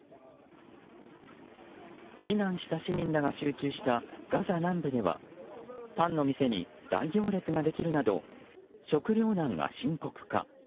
避難した市民らが集中したガザ南部ではパンの店に大行列ができるなど食料難が深刻化。